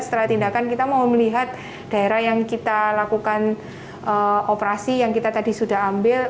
setelah tindakan kita mau melihat daerah yang kita lakukan operasi yang kita tadi sudah ambil